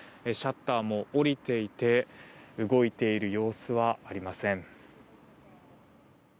シャッターも降りていて動いている様子はありません。